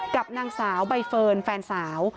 กับนางสาวใบเฟิร์นแฟนสาว